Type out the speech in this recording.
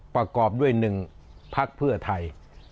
ประกอบด้วย๑พักเพื่อไทย